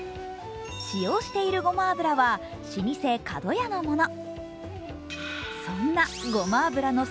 使用しているごま油は老舗かどやのもの。